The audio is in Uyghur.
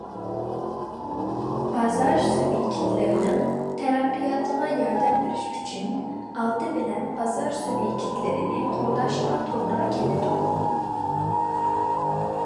بازار سۇبيېكتلىرىنىڭ تەرەققىياتىغا ياردەم بېرىش ئۈچۈن، ئالدى بىلەن بازار سۇبيېكتلىرىنى قوغداشقا توغرا كېلىدۇ.